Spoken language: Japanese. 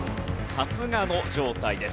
発芽の状態です。